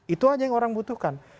itu aja yang orang butuhkan